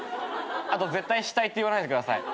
あと絶対「死体」って言わないでください。